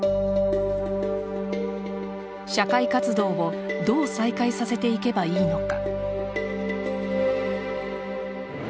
社会活動をどう再開させていけばいいのか。